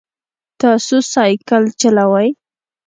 تاسو سایکل چلوئ؟